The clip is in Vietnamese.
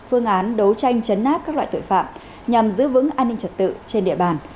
phương án đấu tranh chấn áp các loại tội phạm nhằm giữ vững an ninh trật tự trên địa bàn